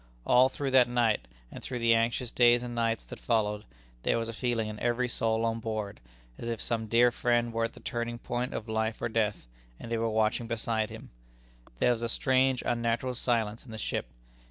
All through that night, and through the anxious days and nights that followed, there was a feeling in every soul on board, as if some dear friend were at the turning point of life or death, and they were watching beside him. There was a strange, unnatural silence in the ship.